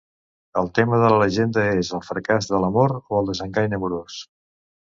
El tema de la llegenda és el fracàs de l'amor o el desengany amorós.